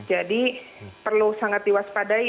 jadi perlu sangat diwaspadai